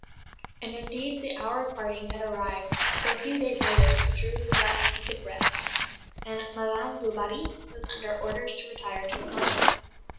And, indeed, the hour of parting had arrived; for a few days later he drew his last wicked breath, and Madame du Barry was under orders to retire to a convent.